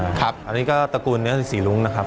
อันนี้ก็ตระกูลเนื้อสีรุ้งนะครับ